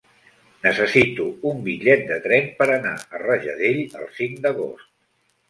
Necessito un bitllet de tren per anar a Rajadell el cinc d'agost.